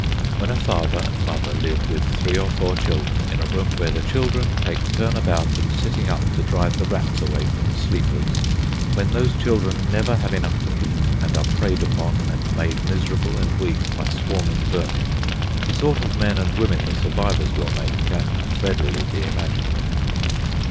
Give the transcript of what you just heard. When a father and mother live with three or four children in a room where the children take turn about in sitting up to drive the rats away from the sleepers, when those children never have enough to eat and are preyed upon and made miserable and weak by swarming vermin, the sort of men and women the survivors will make can readily be imagined.